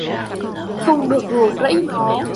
Không được ruồng rãy nó